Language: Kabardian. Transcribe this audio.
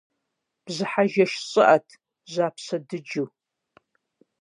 Бжьыхьэ жэщ щӀыӀэт, жьапщэ дыджу.